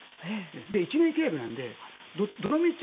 １年契約なので、どのみち